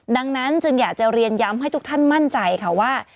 ดังนั้นจึงอยากจะเรียนย้ำให้ทุกท่านมั่นใจค่ะว่า